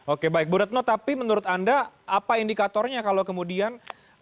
oke baik bu retno tapi menurut anda apa indikatornya kalau kemudian